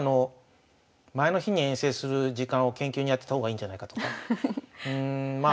前の日に遠征する時間を研究に充てた方がいいんじゃないかとかまあ